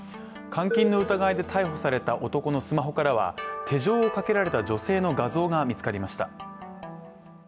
監禁の疑いで逮捕された男のスマホからは手錠をかけられた女性の画像が見つかりました。